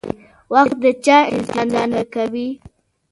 وخت د چا انتظار نه کوي.